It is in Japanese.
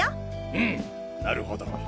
うんなるほど。